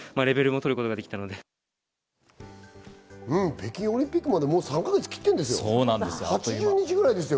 北京オリンピックまでもう３か月切ってるんですよ。